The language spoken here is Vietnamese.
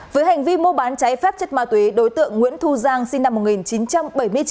với hành vi mua bán trái phép chất ma túy đối tượng nguyễn thu giang sinh năm một nghìn chín trăm bảy mươi chín